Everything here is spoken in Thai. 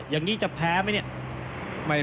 อย่างนี้จะแพ้ไหมเนี่ย